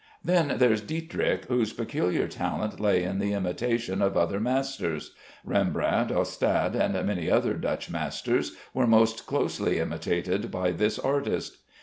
Then there is Dietrich, whose peculiar talent lay in the imitation of other masters. Rembrandt, Ostade, and many other Dutch masters were most closely imitated by this artist.